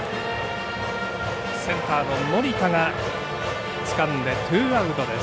センターの森田がつかんでツーアウトです。